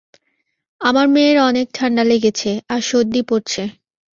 আমার মেয়ের অনেক ঠান্ডা লেগেছে আর সর্দি পরছে।